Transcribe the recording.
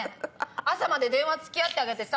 朝まで電話付き合ってあげてさ。